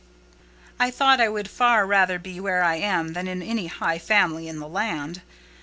I thought I would far rather be where I am than in any high family in the land.